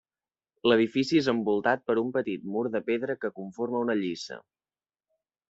L'edifici és envoltat per un petit mur de pedra que conforma una lliça.